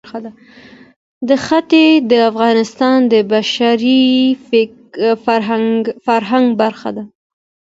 دښتې د افغانستان د بشري فرهنګ برخه ده.